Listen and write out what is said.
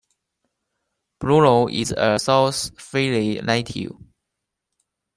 Bruno is a "South Philly" native.